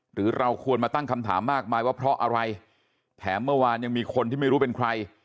หรือเราควรมาตั้งคำถามมากมายว่าเพราะอะไรแถมเมื่อวานยังมีคนที่ไม่รู้เป็นใคร